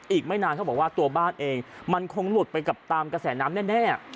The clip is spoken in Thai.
อีกไม่นานเขาบอกว่าตัวบ้านเองมันคงหลุดไปกับตามกระแสน้ำแน่